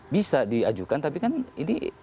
bisa diajukan tapi kan ini